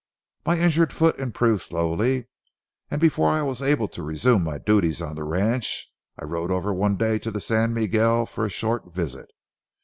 My injured foot improved slowly, and before I was able to resume my duties on the ranch, I rode over one day to the San Miguel for a short visit.